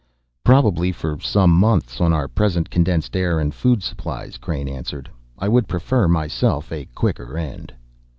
"Probably for some months on our present condensed air and food supplies," Crain answered. "I would prefer, myself, a quicker end."